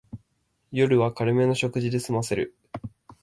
夜は軽めの食事ですませる